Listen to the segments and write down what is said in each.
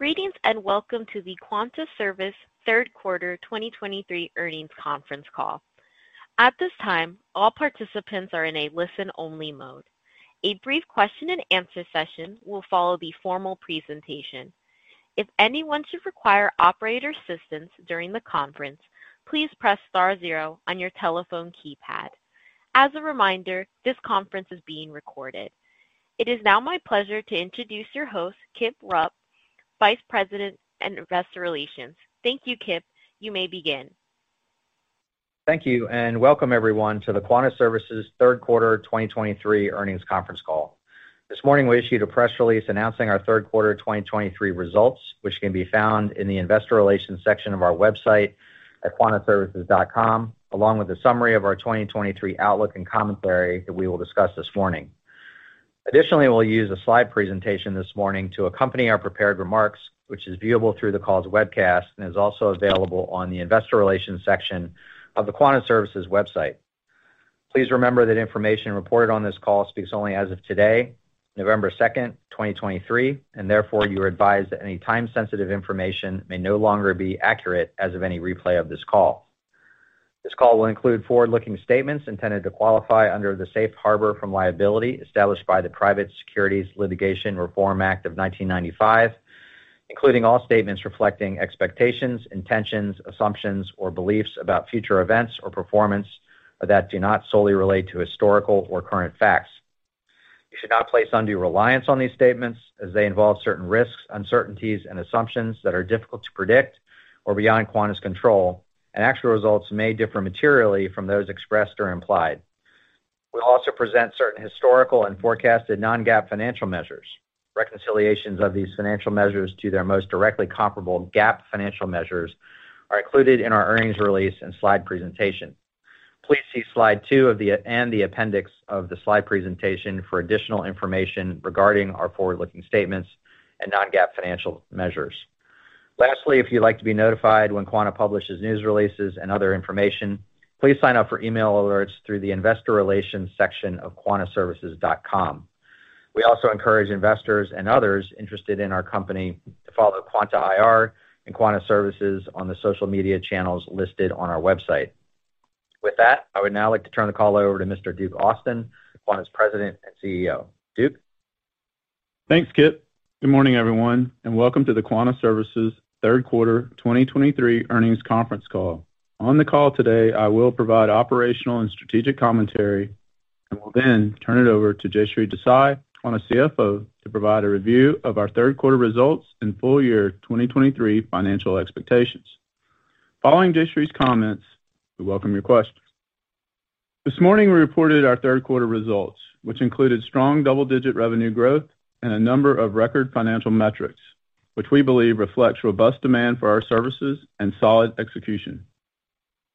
Greetings, and welcome to the Quanta Services third quarter 2023 earnings conference call. At this time, all participants are in a listen-only mode. A brief question and answer session will follow the formal presentation. If anyone should require operator assistance during the conference, please press star zero on your telephone keypad. As a reminder, this conference is being recorded. It is now my pleasure to introduce your host, Kip Rupp, Vice President and Investor Relations. Thank you, Kip. You may begin. Thank you, and welcome everyone to the Quanta Services third quarter 2023 earnings conference call. This morning, we issued a press release announcing our third quarter 2023 results, which can be found in the investor relations section of our website at quantaservices.com, along with a summary of our 2023 outlook and commentary that we will discuss this morning. Additionally, we'll use a slide presentation this morning to accompany our prepared remarks, which is viewable through the call's webcast and is also available on the investor relations section of the Quanta Services website. Please remember that information reported on this call speaks only as of today, November 2, 2023, and therefore, you are advised that any time-sensitive information may no longer be accurate as of any replay of this call. This call will include forward-looking statements intended to qualify under the safe harbor from liability established by the Private Securities Litigation Reform Act of 1995, including all statements reflecting expectations, intentions, assumptions, or beliefs about future events or performance that do not solely relate to historical or current facts. You should not place undue reliance on these statements as they involve certain risks, uncertainties, and assumptions that are difficult to predict or beyond Quanta's control, and actual results may differ materially from those expressed or implied. We'll also present certain historical and forecasted non-GAAP financial measures. Reconciliations of these financial measures to their most directly comparable GAAP financial measures are included in our earnings release and slide presentation. Please see slide two and the appendix of the slide presentation for additional information regarding our forward-looking statements and non-GAAP financial measures. Lastly, if you'd like to be notified when Quanta publishes news releases and other information, please sign up for email alerts through the Investor Relations section of QuantaServices.com. We also encourage investors and others interested in our company to follow Quanta IR and Quanta Services on the social media channels listed on our website. With that, I would now like to turn the call over to Mr. Duke Austin, Quanta's President and CEO. Duke? Thanks, Kip. Good morning, everyone, and welcome to the Quanta Services third quarter 2023 earnings conference call. On the call today, I will provide operational and strategic commentary and will then turn it over to Jayshree Desai, Quanta CFO, to provide a review of our third quarter results and full year 2023 financial expectations. Following Jayshree's comments, we welcome your questions. This morning, we reported our third quarter results, which included strong double-digit revenue growth and a number of record financial metrics, which we believe reflects robust demand for our services and solid execution.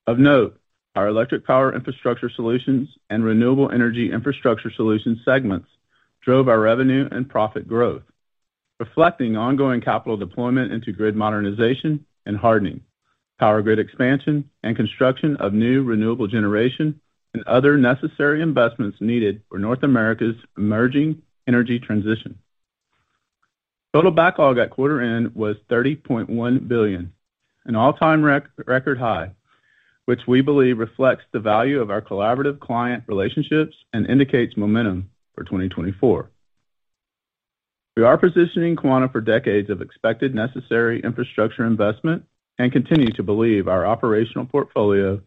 Of note, our electric power infrastructure solutions and renewable energy infrastructure solution segments drove our revenue and profit growth, reflecting ongoing capital deployment into grid modernization and hardening, power grid expansion and construction of new renewable generation and other necessary investments needed for North America's emerging energy transition. Total backlog at quarter end was $30.1 billion, an all-time record high, which we believe reflects the value of our collaborative client relationships and indicates momentum for 2024. We are positioning Quanta for decades of expected necessary infrastructure investment and continue to believe our operational portfolio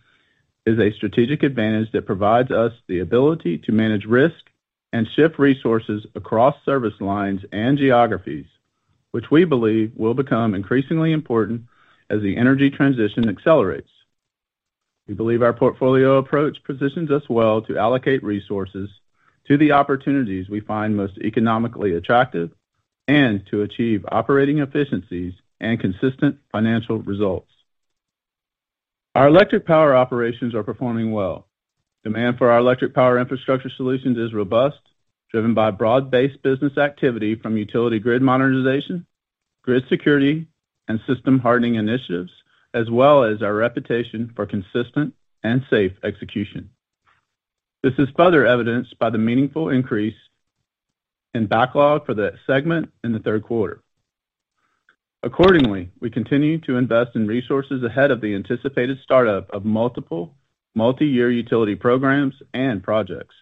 is a strategic advantage that provides us the ability to manage risk and shift resources across service lines and geographies, which we believe will become increasingly important as the energy transition accelerates. We believe our portfolio approach positions us well to allocate resources to the opportunities we find most economically attractive and to achieve operating efficiencies and consistent financial results. Our electric power operations are performing well. Demand for our electric power infrastructure solutions is robust, driven by broad-based business activity from utility grid modernization, grid security, and system hardening initiatives, as well as our reputation for consistent and safe execution. This is further evidenced by the meaningful increase in backlog for that segment in the third quarter. Accordingly, we continue to invest in resources ahead of the anticipated startup of multiple multi-year utility programs and projects.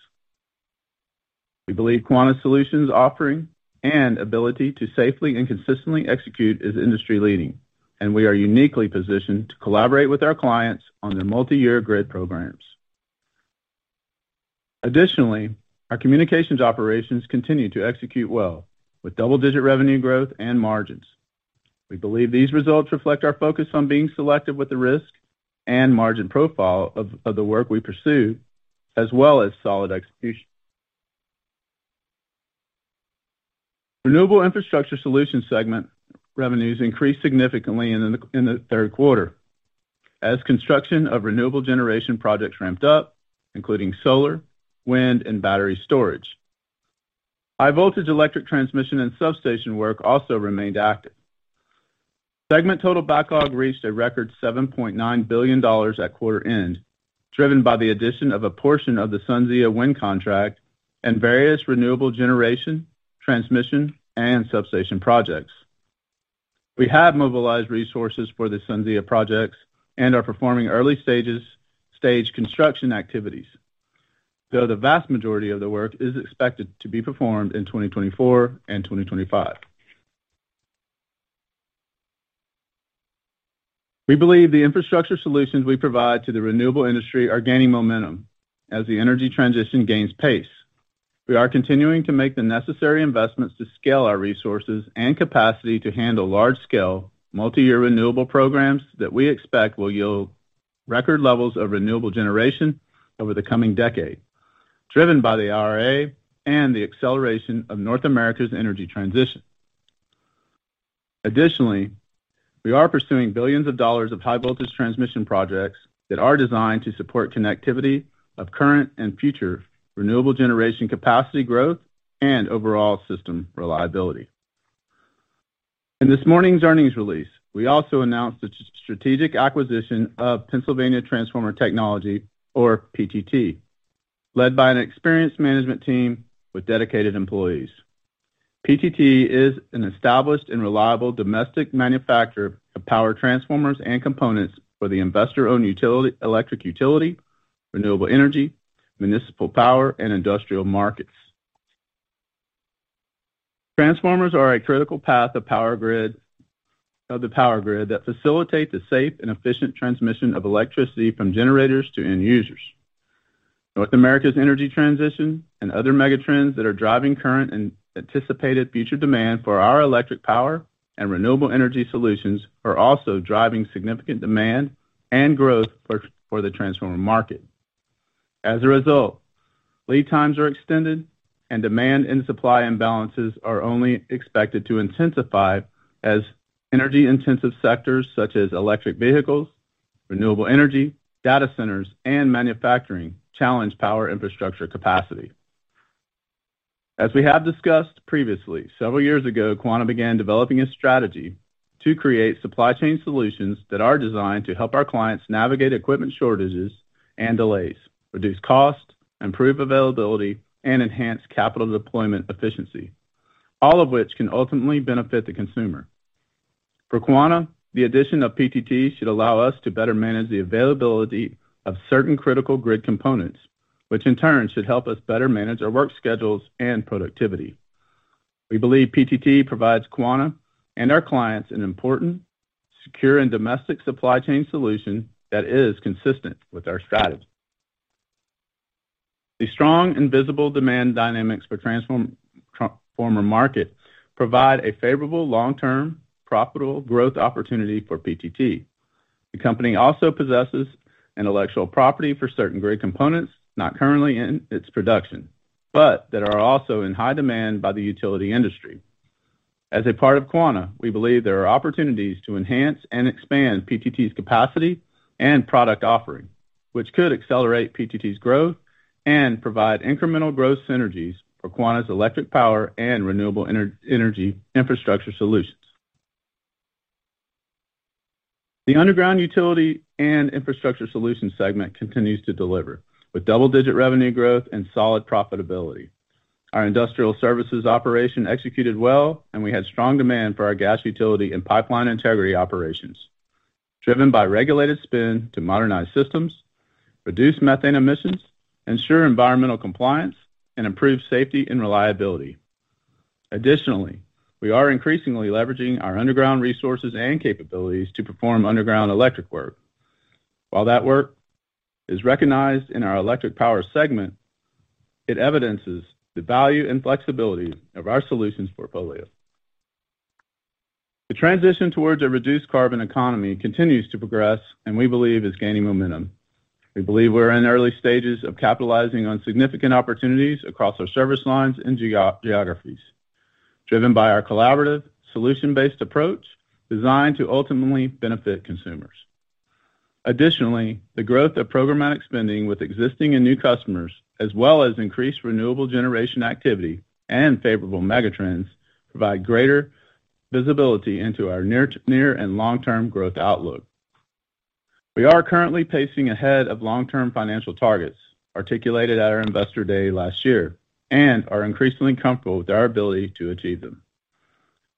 We believe Quanta Solutions offering and ability to safely and consistently execute is industry-leading, and we are uniquely positioned to collaborate with our clients on their multi-year grid programs. Additionally, our communications operations continue to execute well with double-digit revenue growth and margins. We believe these results reflect our focus on being selective with the risk and margin profile of the work we pursue, as well as solid execution. Renewable infrastructure solution segment revenues increased significantly in the third quarter as construction of renewable generation projects ramped up, including solar, wind, and battery storage. High voltage electric transmission and substation work also remained active. Segment total backlog reached a record $7.9 billion at quarter end, driven by the addition of a portion of the SunZia wind contract and various renewable generation, transmission, and substation projects. We have mobilized resources for the SunZia projects and are performing early stage construction activities, though the vast majority of the work is expected to be performed in 2024 and 2025. We believe the infrastructure solutions we provide to the renewable industry are gaining momentum as the energy transition gains pace. We are continuing to make the necessary investments to scale our resources and capacity to handle large-scale, multi-year renewable programs that we expect will yield record levels of renewable generation over the coming decade, driven by the IRA and the acceleration of North America's energy transition. Additionally, we are pursuing billions of dollars of high voltage transmission projects that are designed to support connectivity of current and future renewable generation capacity growth and overall system reliability. In this morning's earnings release, we also announced the strategic acquisition of Pennsylvania Transformer Technology, or PTT. Led by an experienced management team with dedicated employees, PTT is an established and reliable domestic manufacturer of power transformers and components for the investor-owned utility, electric utility, renewable energy, municipal power, and industrial markets. Transformers are a critical part of the power grid that facilitate the safe and efficient transmission of electricity from generators to end users. North America's energy transition and other megatrends that are driving current and anticipated future demand for our electric power and renewable energy solutions are also driving significant demand and growth for the transformer market. As a result, lead times are extended, and demand and supply imbalances are only expected to intensify as energy-intensive sectors such as electric vehicles, renewable energy, data centers, and manufacturing challenge power infrastructure capacity. As we have discussed previously, several years ago, Quanta began developing a strategy to create supply chain solutions that are designed to help our clients navigate equipment shortages and delays, reduce cost, improve availability, and enhance capital deployment efficiency, all of which can ultimately benefit the consumer. For Quanta, the addition of PTT should allow us to better manage the availability of certain critical grid components, which in turn should help us better manage our work schedules and productivity. We believe PTT provides Quanta and our clients an important, secure, and domestic supply chain solution that is consistent with our strategy. The strong and visible demand dynamics for transformer market provide a favorable, long-term, profitable growth opportunity for PTT. The company also possesses intellectual property for certain grid components, not currently in its production, but that are also in high demand by the utility industry. As a part of Quanta, we believe there are opportunities to enhance and expand PTT's capacity and product offering, which could accelerate PTT's growth and provide incremental growth synergies for Quanta's electric power and renewable energy infrastructure solutions. The underground utility and infrastructure solutions segment continues to deliver, with double-digit revenue growth and solid profitability. Our industrial services operation executed well, and we had strong demand for our gas utility and pipeline integrity operations, driven by regulated spend to modernize systems, reduce methane emissions, ensure environmental compliance, and improve safety and reliability. Additionally, we are increasingly leveraging our underground resources and capabilities to perform underground electric work. While that work is recognized in our electric power segment, it evidences the value and flexibility of our solutions portfolio. The transition towards a reduced carbon economy continues to progress and we believe is gaining momentum. We believe we're in the early stages of capitalizing on significant opportunities across our service lines and geographies, driven by our collaborative, solution-based approach designed to ultimately benefit consumers. Additionally, the growth of programmatic spending with existing and new customers, as well as increased renewable generation activity and favorable megatrends, provide greater visibility into our near-term and long-term growth outlook. We are currently pacing ahead of long-term financial targets articulated at our Investor Day last year and are increasingly comfortable with our ability to achieve them.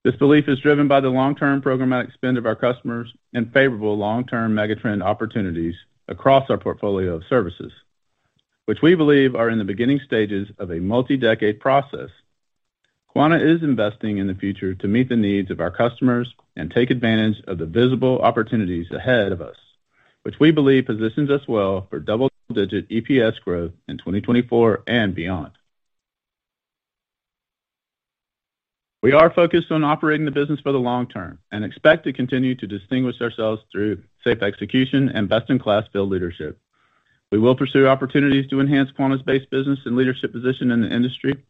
This belief is driven by the long-term programmatic spend of our customers and favorable long-term megatrend opportunities across our portfolio of services, which we believe are in the beginning stages of a multi-decade process. Quanta is investing in the future to meet the needs of our customers and take advantage of the visible opportunities ahead of us, which we believe positions us well for double-digit EPS growth in 2024 and beyond. We are focused on operating the business for the long term and expect to continue to distinguish ourselves through safe execution and best-in-class field leadership. We will pursue opportunities to enhance Quanta's base business and leadership position in the industry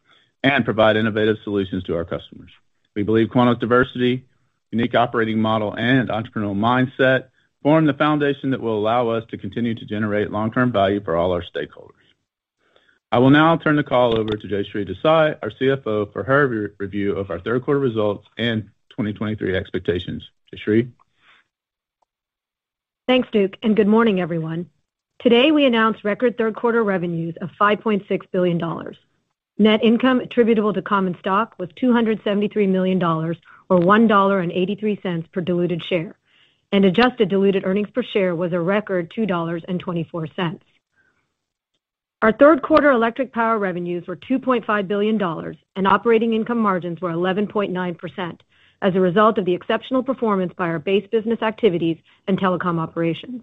and provide innovative solutions to our customers. We believe Quanta's diversity, unique operating model, and entrepreneurial mindset form the foundation that will allow us to continue to generate long-term value for all our stakeholders.... I will now turn the call over to Jayshree Desai, our CFO, for her review of our third quarter results and 2023 expectations. Jayshree? Thanks, Duke, and good morning, everyone. Today, we announced record third quarter revenues of $5.6 billion. Net income attributable to common stock was $273 million, or $1.83 per diluted share, and adjusted diluted earnings per share was a record $2.24. Our third quarter electric power revenues were $2.5 billion, and operating income margins were 11.9% as a result of the exceptional performance by our base business activities and telecom operations.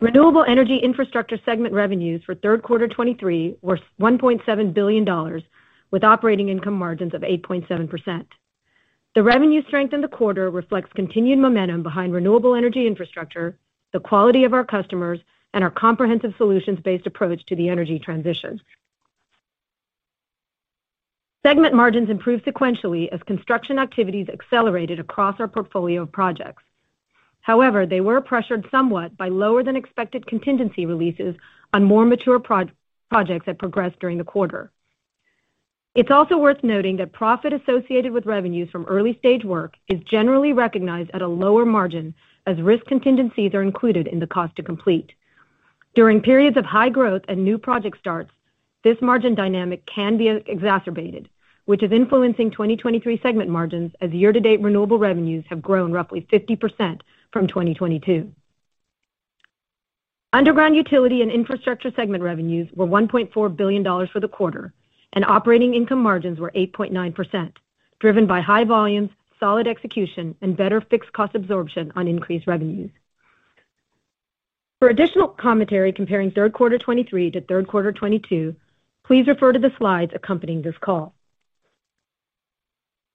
Renewable energy infrastructure segment revenues for third quarter 2023 were $1.7 billion, with operating income margins of 8.7%. The revenue strength in the quarter reflects continued momentum behind renewable energy infrastructure, the quality of our customers, and our comprehensive solutions-based approach to the energy transition. Segment margins improved sequentially as construction activities accelerated across our portfolio of projects. However, they were pressured somewhat by lower than expected contingency releases on more mature projects that progressed during the quarter. It's also worth noting that profit associated with revenues from early-stage work is generally recognized at a lower margin, as risk contingencies are included in the cost to complete. During periods of high growth and new project starts, this margin dynamic can be exacerbated, which is influencing 2023 segment margins as year-to-date renewable revenues have grown roughly 50% from 2022. Underground utility and infrastructure segment revenues were $1.4 billion for the quarter, and operating income margins were 8.9%, driven by high volumes, solid execution, and better fixed cost absorption on increased revenues. For additional commentary comparing third quarter 2023 to third quarter 2022, please refer to the slides accompanying this call.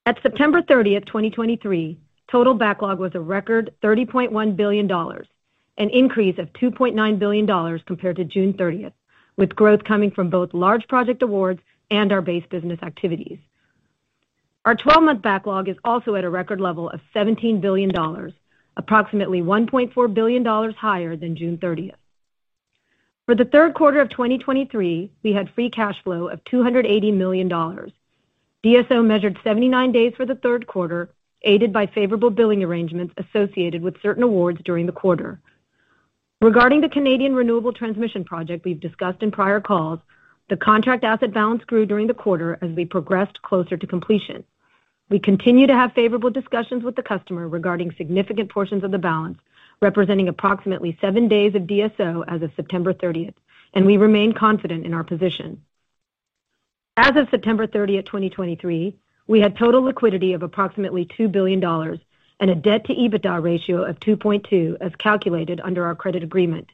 At September 30, 2023, total backlog was a record $30.1 billion, an increase of $2.9 billion compared to June 30, with growth coming from both large project awards and our base business activities. Our 12-month backlog is also at a record level of $17 billion, approximately $1.4 billion higher than June 30. For the third quarter of 2023, we had free cash flow of $280 million. DSO measured 79 days for the third quarter, aided by favorable billing arrangements associated with certain awards during the quarter. Regarding the Canadian Renewable Transmission Project we've discussed in prior calls, the contract asset balance grew during the quarter as we progressed closer to completion. We continue to have favorable discussions with the customer regarding significant portions of the balance, representing approximately seven days of DSO as of September 30, and we remain confident in our position. As of September 30, 2023, we had total liquidity of approximately $2 billion and a debt-to-EBITDA ratio of 2.2, as calculated under our credit agreement.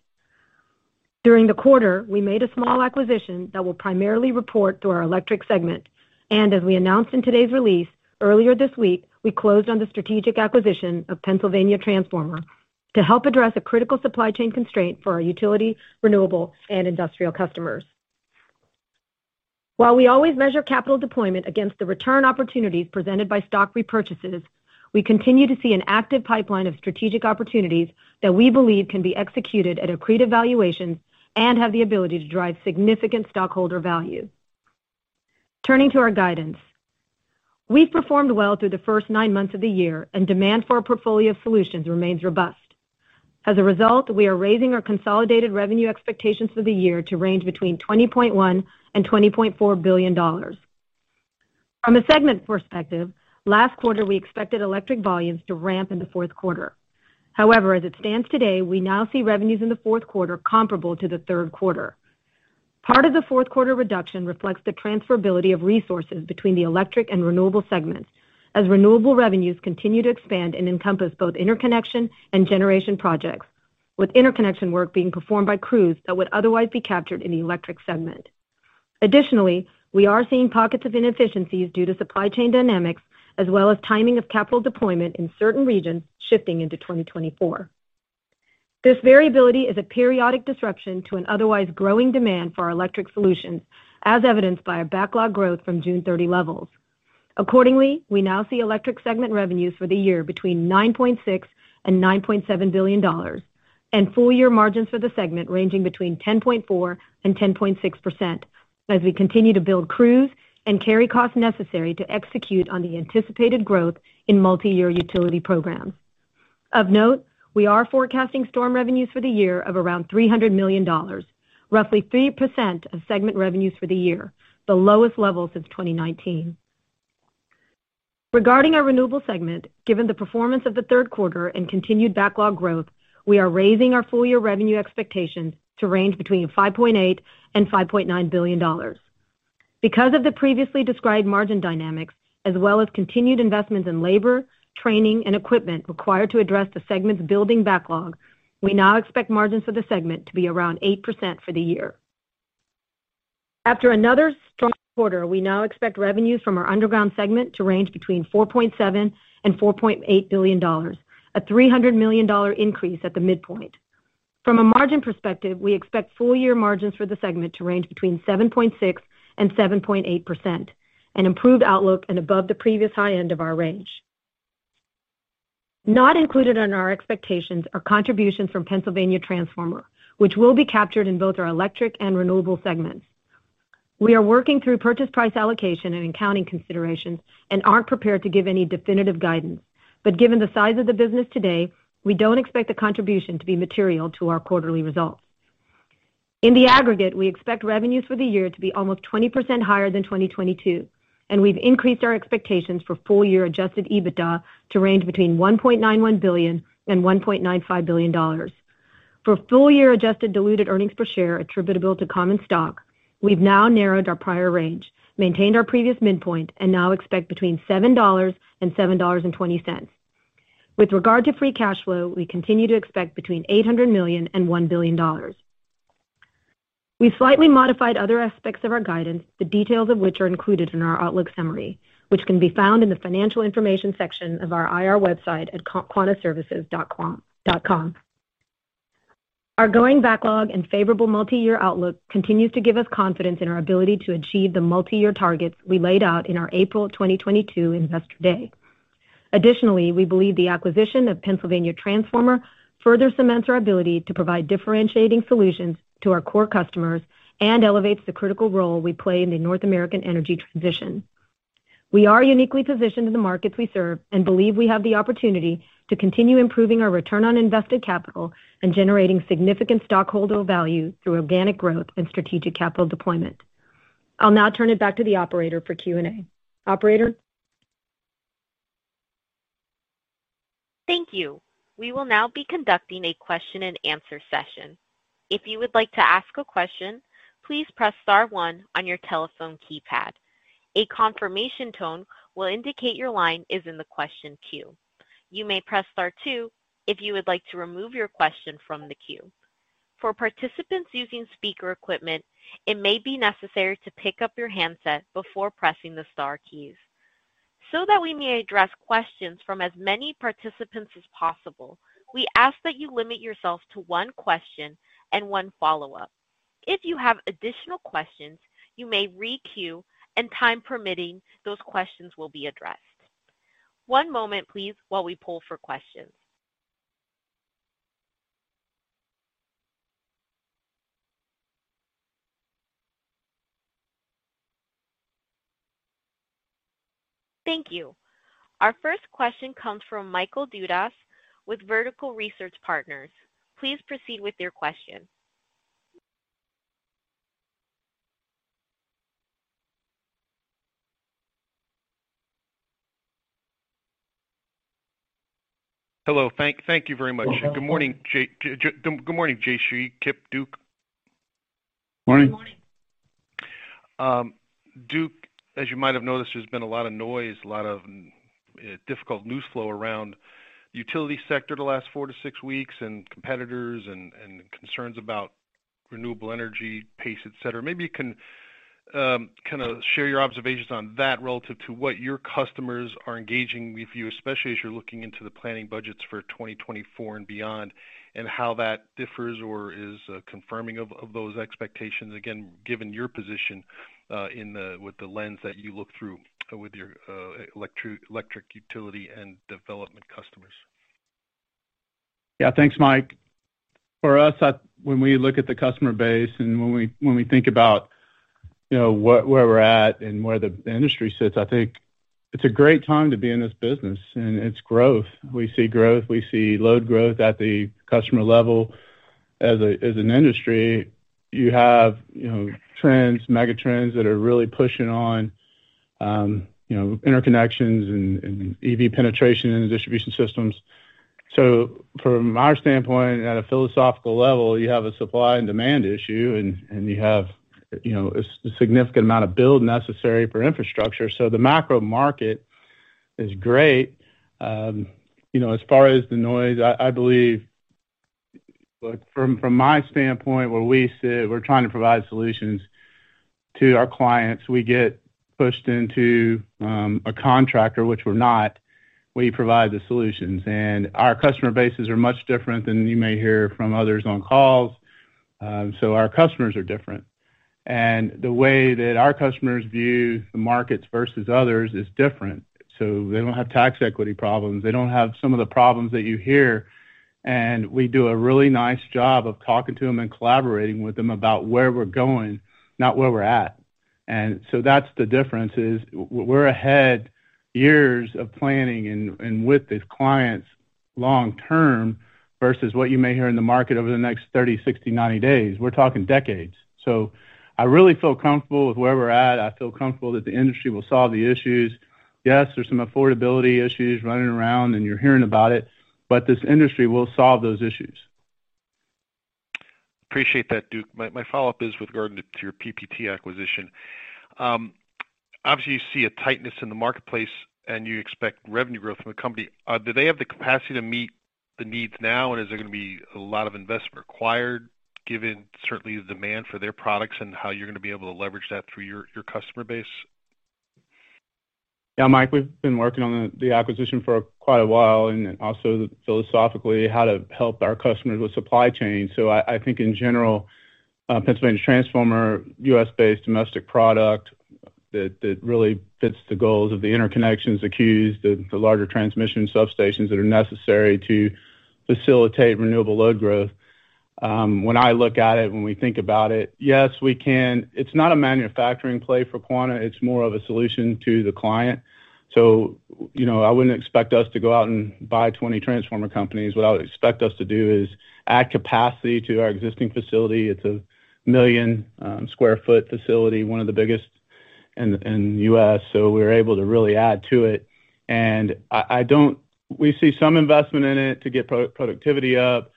During the quarter, we made a small acquisition that will primarily report through our electric segment. As we announced in today's release, earlier this week, we closed on the strategic acquisition of Pennsylvania Transformer to help address a critical supply chain constraint for our utility, renewable, and industrial customers. While we always measure capital deployment against the return opportunities presented by stock repurchases, we continue to see an active pipeline of strategic opportunities that we believe can be executed at accretive valuations and have the ability to drive significant stockholder value. Turning to our guidance. We've performed well through the first nine months of the year, and demand for our portfolio of solutions remains robust. As a result, we are raising our consolidated revenue expectations for the year to range between $20.1 billion and $20.4 billion. From a segment perspective, last quarter, we expected electric volumes to ramp in the fourth quarter. However, as it stands today, we now see revenues in the fourth quarter comparable to the third quarter. Part of the fourth quarter reduction reflects the transferability of resources between the electric and renewable segments, as renewable revenues continue to expand and encompass both interconnection and generation projects, with interconnection work being performed by crews that would otherwise be captured in the electric segment. Additionally, we are seeing pockets of inefficiencies due to supply chain dynamics, as well as timing of capital deployment in certain regions shifting into 2024. This variability is a periodic disruption to an otherwise growing demand for our electric solutions, as evidenced by our backlog growth from June 30 levels. Accordingly, we now see electric segment revenues for the year between $9.6 billion-$9.7 billion, and full year margins for the segment ranging between 10.4%-10.6%, as we continue to build crews and carry costs necessary to execute on the anticipated growth in multiyear utility programs. Of note, we are forecasting storm revenues for the year of around $300 million, roughly 3% of segment revenues for the year, the lowest level since 2019. Regarding our renewable segment, given the performance of the third quarter and continued backlog growth, we are raising our full year revenue expectations to range between $5.8 billion-$5.9 billion. Because of the previously described margin dynamics, as well as continued investments in labor, training, and equipment required to address the segment's building backlog, we now expect margins for the segment to be around 8% for the year. After another strong quarter, we now expect revenues from our underground segment to range between $4.7 billion and $4.8 billion, a $300 million increase at the midpoint. From a margin perspective, we expect full year margins for the segment to range between 7.6% and 7.8%, an improved outlook and above the previous high end of our range. Not included in our expectations are contributions from Pennsylvania Transformer, which will be captured in both our electric and renewable segments. We are working through purchase price allocation and accounting considerations and aren't prepared to give any definitive guidance. But given the size of the business today, we don't expect the contribution to be material to our quarterly results. In the aggregate, we expect revenues for the year to be almost 20% higher than 2022, and we've increased our expectations for full-year Adjusted EBITDA to range between $1.91 billion and $1.95 billion. For full-year adjusted diluted earnings per share attributable to common stock, we've now narrowed our prior range, maintained our previous midpoint, and now expect between $7 and $7.20. With regard to free cash flow, we continue to expect between $800 million and $1 billion. We slightly modified other aspects of our guidance, the details of which are included in our outlook summary, which can be found in the Financial Information section of our IR website at quantaservices.com. Our growing backlog and favorable multi-year outlook continues to give us confidence in our ability to achieve the multi-year targets we laid out in our April 2022 Investor Day. Additionally, we believe the acquisition of Pennsylvania Transformer further cements our ability to provide differentiating solutions to our core customers and elevates the critical role we play in the North American energy transition. We are uniquely positioned in the markets we serve and believe we have the opportunity to continue improving our return on invested capital and generating significant stockholder value through organic growth and strategic capital deployment. I'll now turn it back to the operator for Q&A. Operator? Thank you. We will now be conducting a question-and-answer session. If you would like to ask a question, please press star one on your telephone keypad. A confirmation tone will indicate your line is in the question queue. You may press star two if you would like to remove your question from the queue. For participants using speaker equipment, it may be necessary to pick up your handset before pressing the star keys. So that we may address questions from as many participants as possible, we ask that you limit yourself to one question and one follow-up. If you have additional questions, you may re-queue, and time permitting, those questions will be addressed. One moment, please, while we pull for questions. Thank you. Our first question comes from Michael Dudas with Vertical Research Partners. Please proceed with your question. Hello. Thank you very much. Good morning, Jayshree, Kip, Duke. Morning. Good morning. Duke, as you might have noticed, there's been a lot of noise, a lot of difficult news flow around utility sector the last 4-6 weeks, and competitors and concerns about renewable energy pace, et cetera. Maybe you can kind of share your observations on that relative to what your customers are engaging with you, especially as you're looking into the planning budgets for 2024 and beyond, and how that differs or is confirming of those expectations, again, given your position with the lens that you look through with your electric utility and development customers. Yeah. Thanks, Mike. For us, when we look at the customer base and when we think about, you know, where we're at and where the industry sits, I think it's a great time to be in this business, and it's growth. We see growth, we see load growth at the customer level. As an industry, you have, you know, trends, mega trends that are really pushing on, you know, interconnections and EV penetration in the distribution systems. So from our standpoint, at a philosophical level, you have a supply and demand issue, and you have, you know, a significant amount of build necessary for infrastructure. So the macro market is great. You know, as far as the noise, I believe, from my standpoint, where we sit, we're trying to provide solutions to our clients. We get pushed into a contractor, which we're not. We provide the solutions, and our customer bases are much different than you may hear from others on calls. So our customers are different, and the way that our customers view the markets versus others is different. So they don't have tax equity problems. They don't have some of the problems that you hear, and we do a really nice job of talking to them and collaborating with them about where we're going, not where we're at. And so that's the difference, is we're ahead years of planning and with these clients long term, versus what you may hear in the market over the next 30, 60, 90 days. We're talking decades. So I really feel comfortable with where we're at. I feel comfortable that the industry will solve the issues. Yes, there's some affordability issues running around, and you're hearing about it, but this industry will solve those issues. Appreciate that, Duke. My follow-up is with regard to your PTT acquisition. Obviously, you see a tightness in the marketplace, and you expect revenue growth from the company. Do they have the capacity to meet the needs now, and is there going to be a lot of investment required, given certainly the demand for their products and how you're going to be able to leverage that through your customer base? Yeah, Mike, we've been working on the acquisition for quite a while and also philosophically how to help our customers with supply chain. I think in general, Pennsylvania Transformer, U.S.-based domestic product, that really fits the goals of the interconnection queues, the larger transmission substations that are necessary to facilitate renewable load growth. When I look at it, when we think about it, yes, we can. It's not a manufacturing play for Quanta, it's more of a solution to the client. You know, I wouldn't expect us to go out and buy 20 transformer companies. What I would expect us to do is add capacity to our existing facility. It's a 1 million sq ft facility, one of the biggest in the U.S., so we're able to really add to it. We see some investment in it to get productivity up.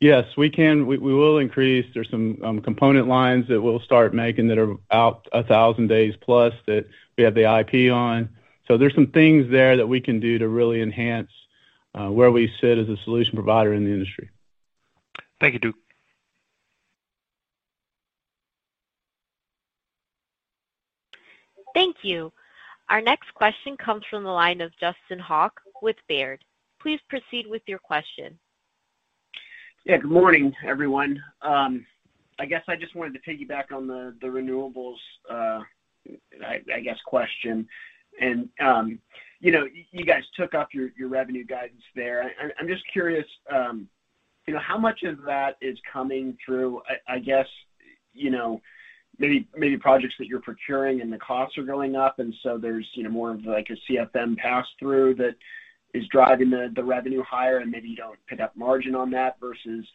Yes, we can, we will increase. There's some component lines that we'll start making that are out 1,000 days plus that we have the IP on. So there's some things there that we can do to really enhance where we sit as a solution provider in the industry. Thank you, Duke. Thank you. Our next question comes from the line of Justin Hauke with Baird. Please proceed with your question. Yeah, good morning, everyone. I guess I just wanted to take you back on the renewables question. And you know, you guys took up your revenue guidance there. I'm just curious, you know, how much of that is coming through? I guess, you know, maybe projects that you're procuring and the costs are going up, and so there's, you know, more of like a CFM pass-through that is driving the revenue higher, and maybe you don't pick up margin on that versus,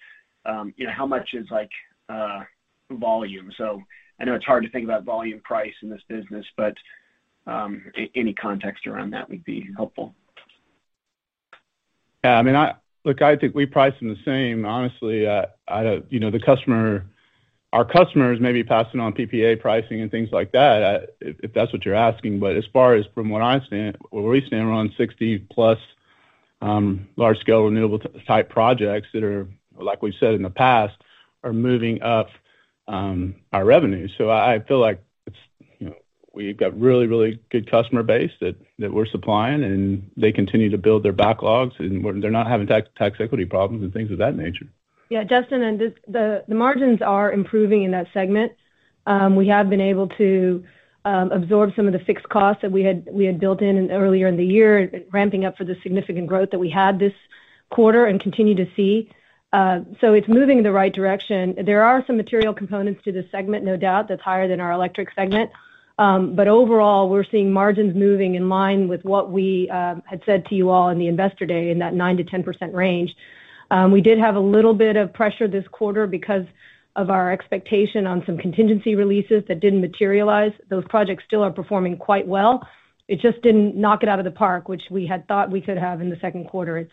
you know, how much is like volume? So I know it's hard to think about volume price in this business, but any context around that would be helpful. Yeah, I mean, look, I think we price them the same. Honestly, I don't—you know, the customer—our customers may be passing on PPA pricing and things like that, if that's what you're asking. But as far as from what I stand, where we stand, we're on 60+ large-scale renewable type projects that are, like we've said in the past, are moving up our revenues. So I feel like it's, you know, we've got really, really good customer base that we're supplying, and they continue to build their backlogs, and they're not having tax equity problems and things of that nature. Yeah, Justin. The margins are improving in that segment. We have been able to absorb some of the fixed costs that we had built in earlier in the year, ramping up for the significant growth that we had this quarter and continue to see. So it's moving in the right direction. There are some material components to this segment, no doubt, that's higher than our electric segment. But overall, we're seeing margins moving in line with what we had said to you all in the Investor Day, in that 9%-10% range. We did have a little bit of pressure this quarter because of our expectation on some contingency releases that didn't materialize. Those projects still are performing quite well. It just didn't knock it out of the park, which we had thought we could have in the second quarter.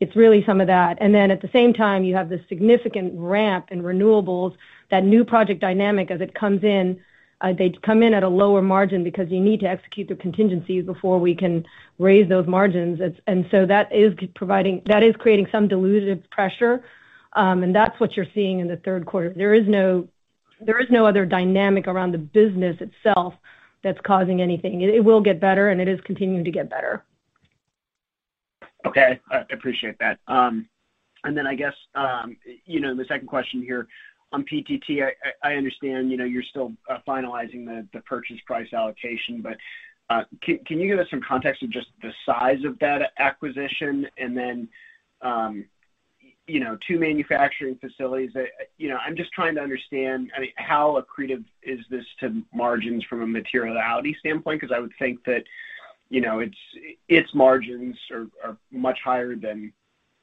It's really some of that. And then at the same time, you have this significant ramp in renewables, that new project dynamic as it comes in, they come in at a lower margin because you need to execute the contingencies before we can raise those margins. And so that is providing, that is creating some dilutive pressure, and that's what you're seeing in the third quarter. There is no other dynamic around the business itself that's causing anything. It will get better, and it is continuing to get better. Okay, I appreciate that. And then I guess, you know, the second question here on PTT, I understand, you know, you're still finalizing the purchase price allocation, but can you give us some context of just the size of that acquisition and then, you know, two manufacturing facilities? You know, I'm just trying to understand, I mean, how accretive is this to margins from a materiality standpoint? Because I would think that, you know, its margins are much higher than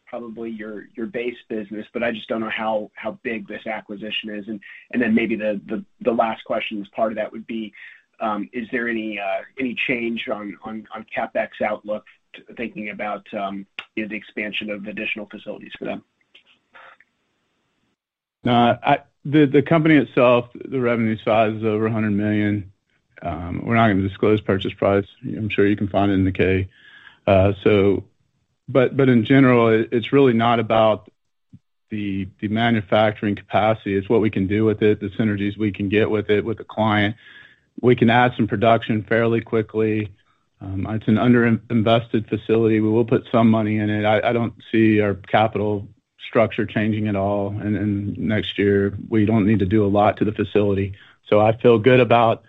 probably your base business, but I just don't know how big this acquisition is. And then maybe the last question as part of that would be, is there any change on CapEx outlook, thinking about the expansion of additional facilities for them? The company itself, the revenue size is over $100 million. We're not going to disclose purchase price. I'm sure you can find it in the K. But in general, it's really not about the manufacturing capacity, it's what we can do with it, the synergies we can get with it, with the client. We can add some production fairly quickly. It's an underinvested facility. We will put some money in it. I don't see our capital structure changing at all, and next year, we don't need to do a lot to the facility. So I feel good about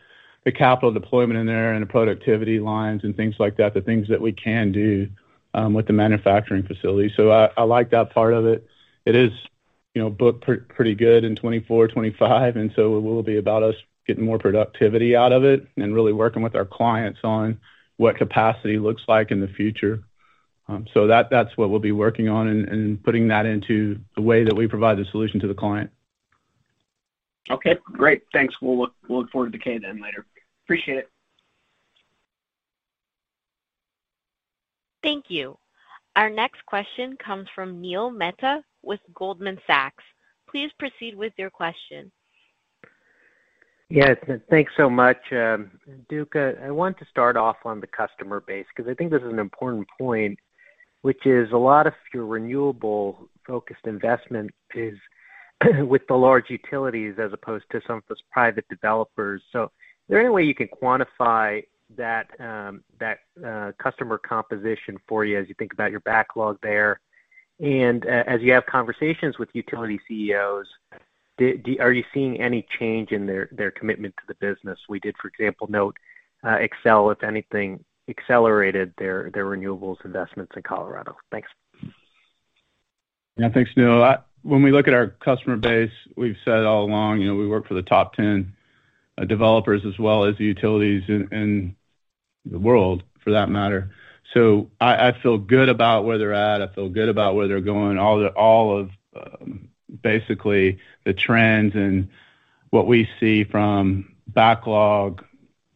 the capital deployment in there and the productivity lines and things like that, the things that we can do with the manufacturing facility. So I like that part of it. It is, you know, booked pretty good in 2024, 2025, and so it will be about us getting more productivity out of it and really working with our clients on what capacity looks like in the future. So that, that's what we'll be working on and putting that into the way that we provide the solution to the client. Okay, great. Thanks. We'll look forward to K then later. Appreciate it. Thank you. Our next question comes from Neil Mehta with Goldman Sachs. Please proceed with your question. Yes, thanks so much. Duke, I want to start off on the customer base, because I think this is an important point, which is a lot of your renewable-focused investment is with the large utilities as opposed to some of those private developers. So is there any way you can quantify that customer composition for you as you think about your backlog there? And as you have conversations with utility CEOs, are you seeing any change in their commitment to the business? We did, for example, note Xcel, if anything, accelerated their renewables investments in Colorado. Thanks. Yeah, thanks, Neil. When we look at our customer base, we've said all along, you know, we work for the top 10 developers as well as the utilities in the world, for that matter. So I feel good about where they're at. I feel good about where they're going. All of basically the trends and what we see from backlog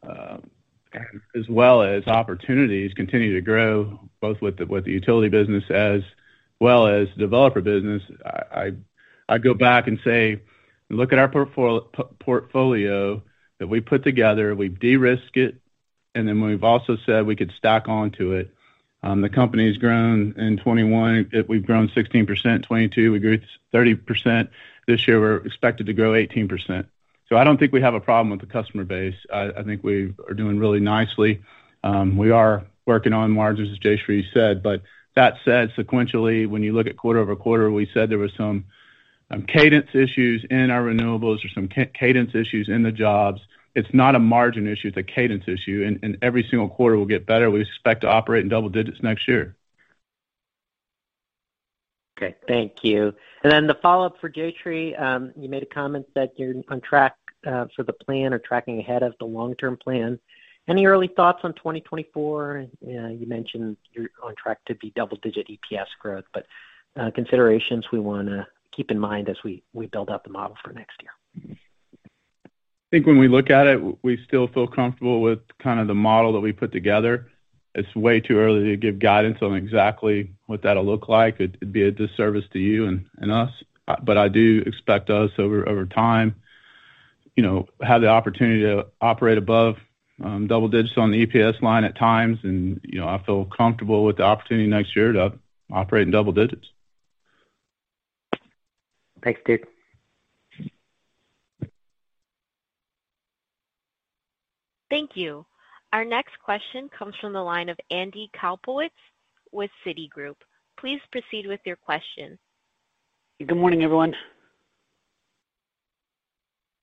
as well as opportunities continue to grow, both with the utility business as well as developer business. I go back and say, look at our portfolio that we put together, we've de-risked it, and then we've also said we could stack on to it. The company has grown in 2021, we've grown 16%, 2022, we grew 30%. This year, we're expected to grow 18%. So I don't think we have a problem with the customer base. I, I think we are doing really nicely. We are working on margins, as Jayshree said, but that said, sequentially, when you look at quarter-over-quarter, we said there was some cadence issues in our renewables or some cadence issues in the jobs. It's not a margin issue, it's a cadence issue, and, and every single quarter will get better. We expect to operate in double digits next year. Okay, thank you. And then the follow-up for Duke. Three. You made a comment that you're on track for the plan or tracking ahead of the long-term plan. Any early thoughts on 2024? You mentioned you're on track to be double-digit EPS growth, but considerations we wanna keep in mind as we build out the model for next year. I think when we look at it, we still feel comfortable with kind of the model that we put together. It's way too early to give guidance on exactly what that'll look like. It'd be a disservice to you and us, but I do expect us over time, you know, have the opportunity to operate above double digits on the EPS line at times, and, you know, I feel comfortable with the opportunity next year to operate in double digits. Thanks, Duke. Thank you. Our next question comes from the line of Andy Kaplowitz with Citigroup. Please proceed with your question. Good morning, everyone.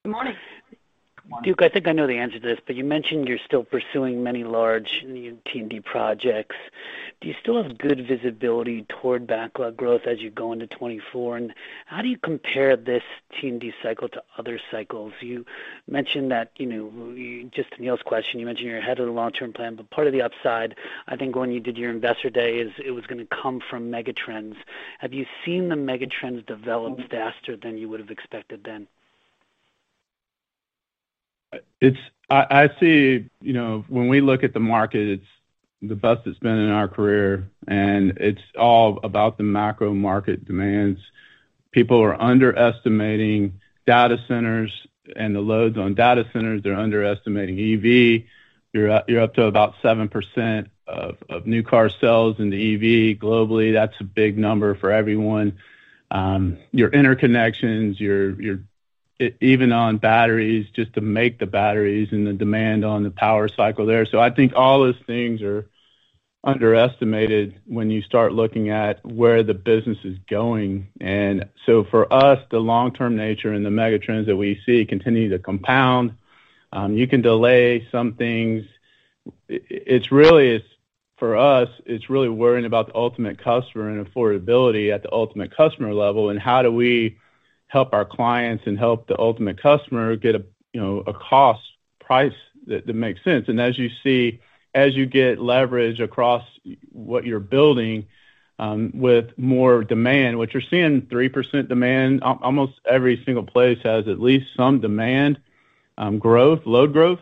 Good morning. Good morning. Duke, I think I know the answer to this, but you mentioned you're still pursuing many large T&D projects. Do you still have good visibility toward backlog growth as you go into 2024? And how do you compare this T&D cycle to other cycles? You mentioned that, you know, just Neil's question, you mentioned you're ahead of the long-term plan, but part of the upside, I think when you did your Investor Day, is it was gonna come from megatrends. Have you seen the megatrends develop faster than you would have expected then? It's I see, you know, when we look at the market, it's the best it's been in our career, and it's all about the macro market demands. People are underestimating data centers and the loads on data centers. They're underestimating EV. You're up to about 7% of new car sales in the EV globally. That's a big number for everyone. Your interconnections, your even on batteries, just to make the batteries and the demand on the power cycle there. So I think all those things are underestimated when you start looking at where the business is going. And so for us, the long-term nature and the megatrends that we see continue to compound. You can delay some things. It's really—for us, it's really worrying about the ultimate customer and affordability at the ultimate customer level, and how do we help our clients and help the ultimate customer get a, you know, a cost price that makes sense. And as you see, as you get leverage across what you're building, with more demand, what you're seeing, 3% demand, almost every single place has at least some demand growth, load growth.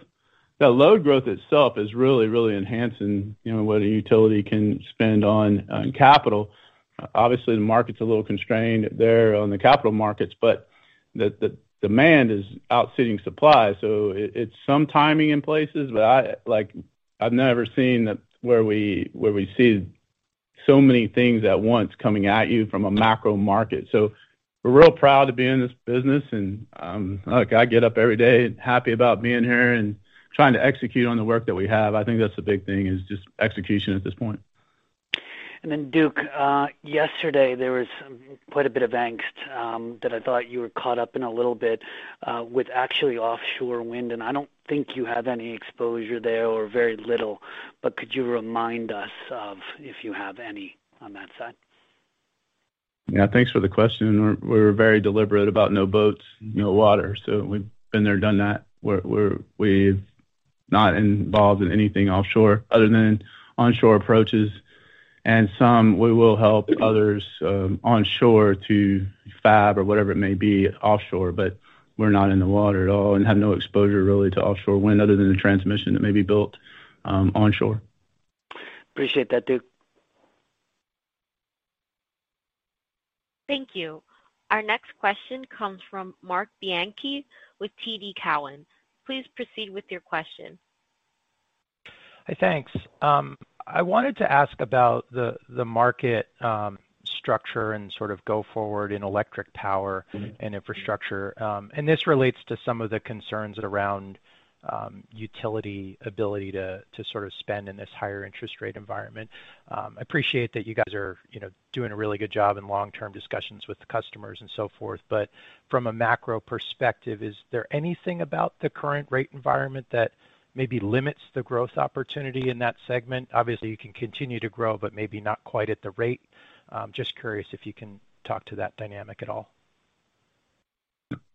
That load growth itself is really, really enhancing, you know, what a utility can spend on capital. Obviously, the market's a little constrained there on the capital markets, but the demand is outstripping supply. So it's some timing in places, but I, like, I've never seen that where we see so many things at once coming at you from a macro market. So we're real proud to be in this business, and, look, I get up every day happy about being here and trying to execute on the work that we have. I think that's the big thing, is just execution at this point. And then, Duke, yesterday, there was quite a bit of angst that I thought you were caught up in a little bit with actually offshore wind, and I don't think you have any exposure there or very little, but could you remind us of if you have any on that side? Yeah, thanks for the question. We're very deliberate about no boats, no water, so we've been there, done that. We're not involved in anything offshore other than onshore approaches, and some we will help others onshore to fab or whatever it may be offshore, but we're not in the water at all and have no exposure really to offshore wind other than the transmission that may be built onshore. Appreciate that, Duke. Thank you. Our next question comes from Marc Bianchi with TD Cowen. Please proceed with your question.... Hey, thanks. I wanted to ask about the market structure and sort of go forward in electric power and infrastructure. And this relates to some of the concerns around utility ability to sort of spend in this higher interest rate environment. I appreciate that you guys are, you know, doing a really good job in long-term discussions with the customers and so forth. But from a macro perspective, is there anything about the current rate environment that maybe limits the growth opportunity in that segment? Obviously, you can continue to grow, but maybe not quite at the rate. Just curious if you can talk to that dynamic at all.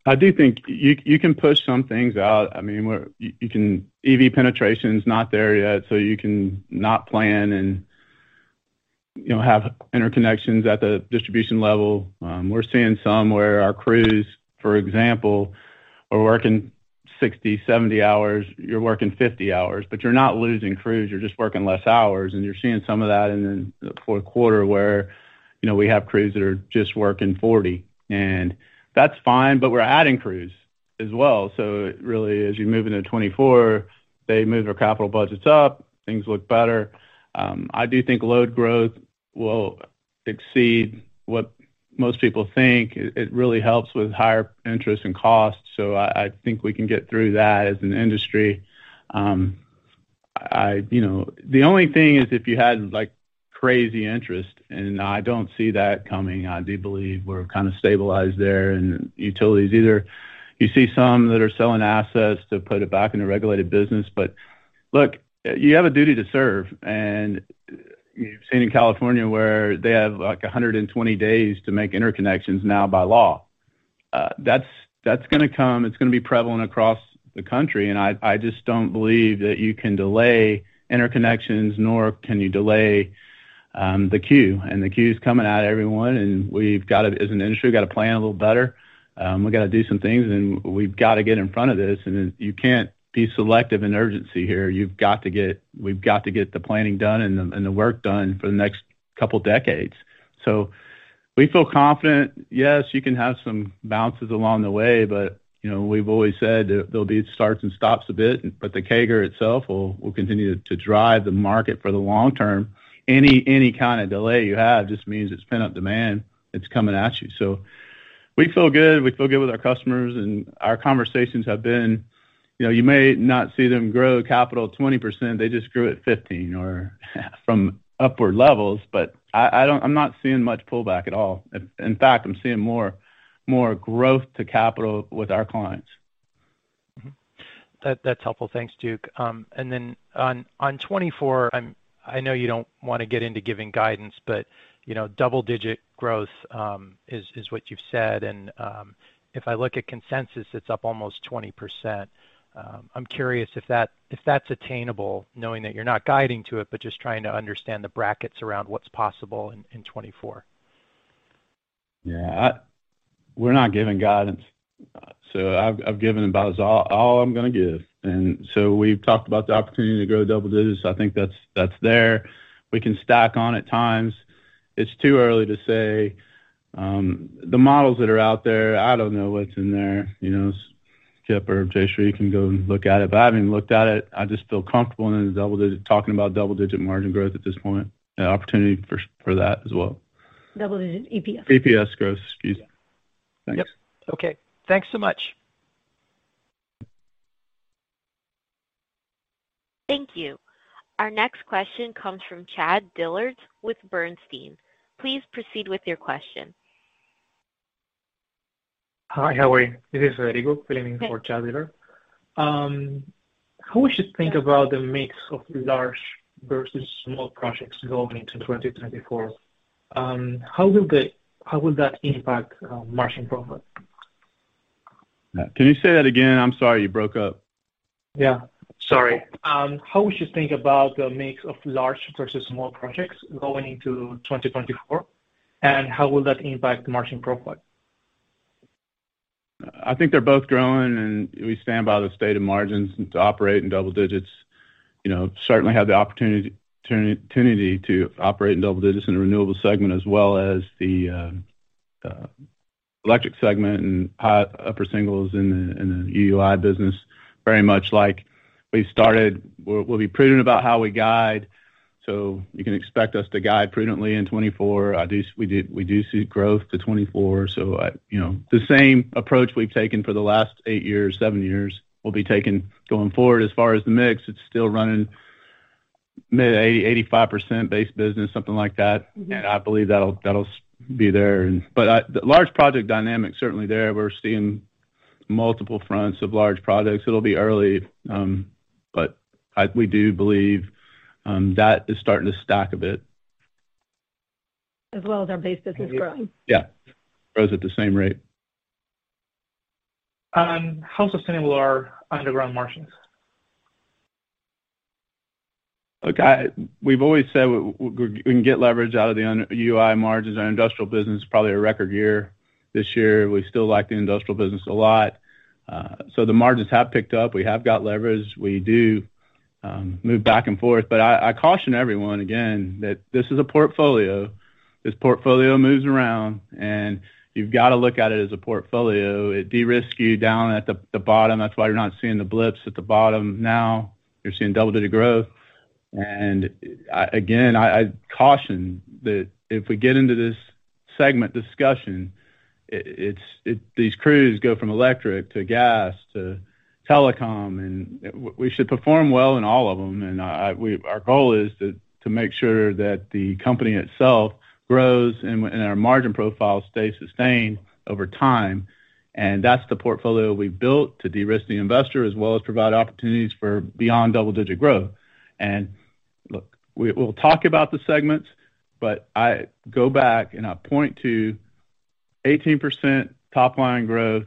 I do think you can push some things out. I mean, where you can EV penetration is not there yet, so you can not plan and, you know, have interconnections at the distribution level. We're seeing some where our crews, for example, are working 60, 70 hours. You're working 50 hours, but you're not losing crews, you're just working less hours, and you're seeing some of that in the fourth quarter where, you know, we have crews that are just working 40, and that's fine, but we're adding crews as well. So really, as you move into 2024, they move our capital budgets up, things look better. I do think load growth will exceed what most people think. It really helps with higher interest and costs, so I think we can get through that as an industry. I you know, the only thing is if you had, like, crazy interest, and I don't see that coming. I do believe we're kind of stabilized there and utilities, either you see some that are selling assets to put it back in a regulated business. But look, you have a duty to serve, and you've seen in California where they have, like, 120 days to make interconnections now by law. That's, that's gonna come, it's gonna be prevalent across the country, and I just don't believe that you can delay interconnections, nor can you delay the queue, and the queue is coming at everyone, and we've got to, as an industry, we've got to plan a little better. We've got to do some things, and we've got to get in front of this, and then you can't be selective in urgency here. We've got to get the planning done and the work done for the next couple of decades. So we feel confident. Yes, you can have some bounces along the way, but you know, we've always said there'll be starts and stops a bit, but the CAGR itself will continue to drive the market for the long term. Any kind of delay you have just means it's pent-up demand, it's coming at you. So we feel good. We feel good with our customers, and our conversations have been... You know, you may not see them grow capital 20%. They just grew at 15% or from upward levels, but I don't—I'm not seeing much pullback at all. In fact, I'm seeing more growth to capital with our clients. Mm-hmm. That's helpful. Thanks, Duke. And then on 2024, I know you don't want to get into giving guidance, but you know, double-digit growth is what you've said, and if I look at consensus, it's up almost 20%. I'm curious if that's attainable, knowing that you're not guiding to it, but just trying to understand the brackets around what's possible in 2024. Yeah. We're not giving guidance, so I've given about as all all I'm gonna give. And so we've talked about the opportunity to grow double digits. I think that's there. We can stack on at times. It's too early to say. The models that are out there, I don't know what's in there, you know, Kip or Jayshree can go and look at it, but I haven't even looked at it. I just feel comfortable in double digit, talking about double-digit margin growth at this point, and opportunity for that as well. Double-digit EPS. EPS growth. Excuse me. Thanks. Yep. Okay. Thanks so much. Thank you. Our next question comes from Chad Dillard with Bernstein. Please proceed with your question. Hi, how are you? This is Rigo filling in. Hey... for Chad Dillard. How we should think about the mix of large versus small projects going into 2024? How will that impact margin profit? Can you say that again? I'm sorry, you broke up. Yeah, sorry. How would you think about the mix of large versus small projects going into 2024, and how will that impact margin profit? I think they're both growing, and we stand by the stated margins to operate in double digits. You know, certainly have the opportunity to operate in double digits in the renewable segment, as well as the electric segment and high upper singles in the EUI business, very much like we started. We'll be prudent about how we guide, so you can expect us to guide prudently in 2024. I do. We do see growth to 2024, so I, you know, the same approach we've taken for the last eight years, seven years, we'll be taking going forward. As far as the mix, it's still running mid-80-85% base business, something like that. Mm-hmm. And I believe that'll, that'll be there. But, large project dynamics, certainly there. We're seeing multiple fronts of large projects. It'll be early, but we do believe, that is starting to stack a bit. As well as our base business growing. Yeah, grows at the same rate. How sustainable are underground margins? Look, we've always said we can get leverage out of the under EUI margins. Our industrial business, probably a record year. This year, we still like the industrial business a lot. So the margins have picked up. We have got leverage. We do move back and forth, but I caution everyone, again, that this is a portfolio. This portfolio moves around, and you've got to look at it as a portfolio. It de-risk you down at the bottom. That's why you're not seeing the blips at the bottom now. You're seeing double-digit growth. Again, I caution that if we get into this segment discussion, it's these crews go from electric to gas to telecom, and we should perform well in all of them. Our goal is to make sure that the company itself grows and our margin profile stays sustained over time, and that's the portfolio we've built to de-risk the investor as well as provide opportunities for beyond double-digit growth. Look, we'll talk about the segments, but I go back and I point to 18% top line growth,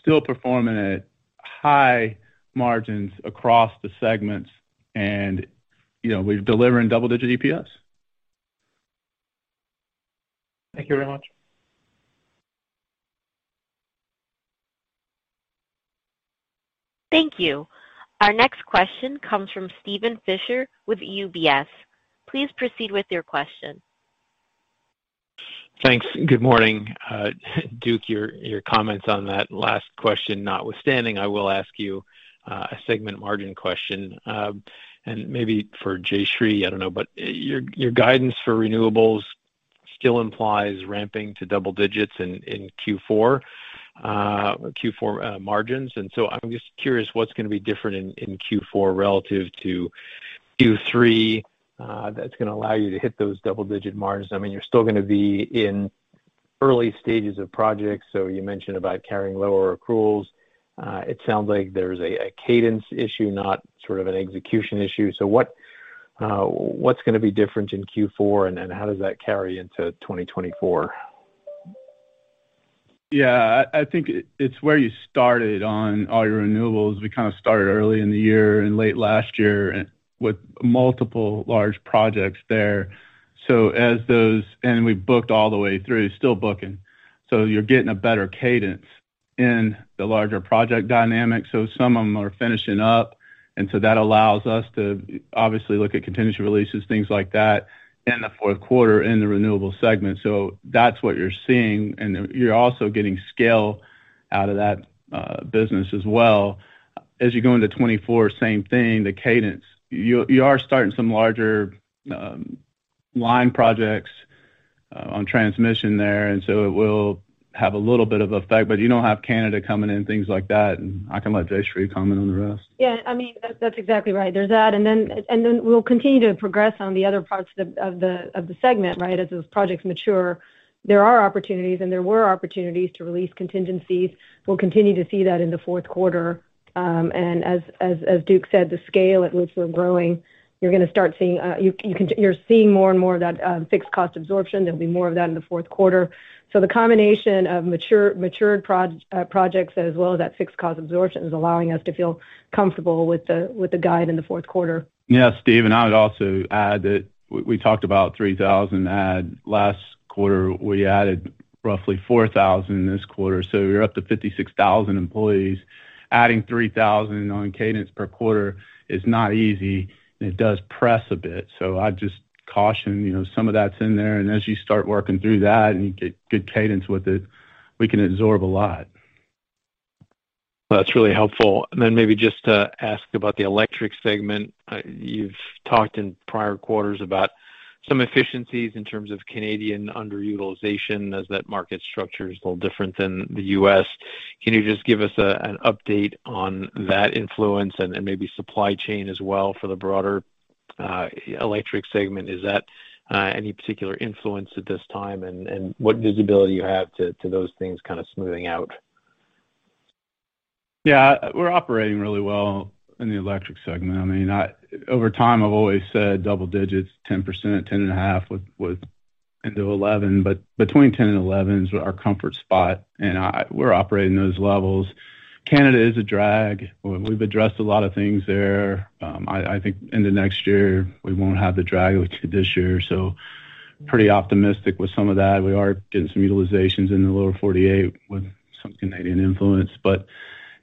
still performing at high margins across the segments and, you know, we're delivering double-digit EPS. Thank you very much. Thank you. Our next question comes from Steven Fisher with UBS. Please proceed with your question. Thanks. Good morning. Duke, your comments on that last question notwithstanding, I will ask you a segment margin question. And maybe for Jayshree, I don't know. But your guidance for renewables still implies ramping to double digits in Q4 margins. And so I'm just curious, what's gonna be different in Q4 relative to Q3 that's gonna allow you to hit those double-digit margins? I mean, you're still gonna be in early stages of projects, so you mentioned about carrying lower accruals. It sounds like there's a cadence issue, not sort of an execution issue. So what's gonna be different in Q4, and then how does that carry into 2024? Yeah, I think it's where you started on all your renewables. We kind of started early in the year and late last year and with multiple large projects there. So as those and we booked all the way through, still booking. So you're getting a better cadence in the larger project dynamic, so some of them are finishing up, and so that allows us to obviously look at contingency releases, things like that, in the fourth quarter in the renewables segment. So that's what you're seeing, and then you're also getting scale out of that business as well. As you go into 2024, same thing, the cadence. You are starting some larger line projects on transmission there, and so it will have a little bit of effect, but you don't have Canada coming in, things like that. I can let Jayshree comment on the rest. Yeah, I mean, that's exactly right. There's that, and then we'll continue to progress on the other parts of the segment, right? As those projects mature, there are opportunities, and there were opportunities to release contingencies. We'll continue to see that in the fourth quarter. And as Duke said, the scale at which we're growing, you're gonna start seeing more and more of that fixed cost absorption. There'll be more of that in the fourth quarter. So the combination of matured projects, as well as that fixed cost absorption, is allowing us to feel comfortable with the guide in the fourth quarter. Yeah, Steve, and I would also add that we talked about 3,000 add last quarter. We added roughly 4,000 this quarter, so we're up to 56,000 employees. Adding 3,000 on cadence per quarter is not easy, and it does press a bit. So I'd just caution, you know, some of that's in there, and as you start working through that and you get good cadence with it, we can absorb a lot. That's really helpful. Then maybe just to ask about the electric segment. You've talked in prior quarters about some efficiencies in terms of Canadian underutilization, as that market structure is a little different than the U.S. Can you just give us an update on that influence and maybe supply chain as well for the broader electric segment? Is there any particular influence at this time, and what visibility you have to those things kind of smoothing out? Yeah. We're operating really well in the electric segment. I mean, over time, I've always said double digits, 10%, 10.5%, with into 11%, but between 10% and 11% is our comfort spot, and we're operating those levels. Canada is a drag. We've addressed a lot of things there. I think in the next year we won't have the drag which we did this year, so pretty optimistic with some of that. We are getting some utilizations in the lower 48 with some Canadian influence. But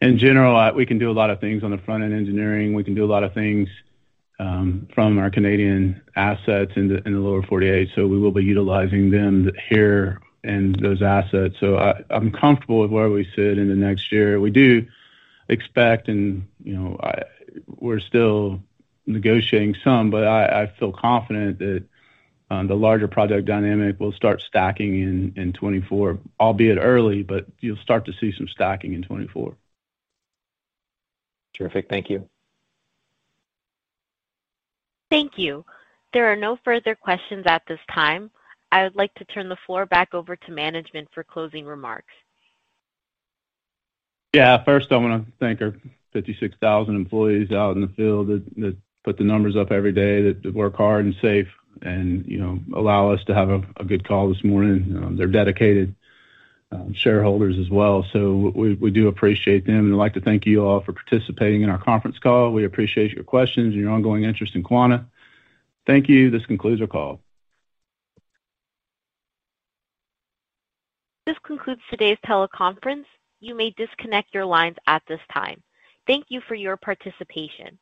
in general, we can do a lot of things on the front-end engineering. We can do a lot of things from our Canadian assets in the lower 48, so we will be utilizing them here and those assets. So I'm comfortable with where we sit in the next year. We do expect and, you know, we're still negotiating some, but I, I feel confident that the larger project dynamic will start stacking in, in 2024, albeit early, but you'll start to see some stacking in 2024. Terrific. Thank you. Thank you. There are no further questions at this time. I would like to turn the floor back over to management for closing remarks. Yeah. First, I want to thank our 56,000 employees out in the field that put the numbers up every day, that work hard and safe and, you know, allow us to have a good call this morning. They're dedicated shareholders as well, so we do appreciate them, and I'd like to thank you all for participating in our conference call. We appreciate your questions and your ongoing interest in Quanta. Thank you. This concludes our call. This concludes today's teleconference. You may disconnect your lines at this time. Thank you for your participation.